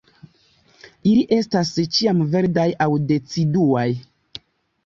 Ili estas ĉiamverdaj aŭ deciduaj.